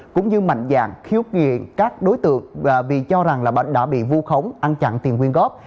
cũng như mạnh dạng khiếu nghiện các đối tượng vì cho rằng đã bị vu khống ăn chặn tiền huyên góp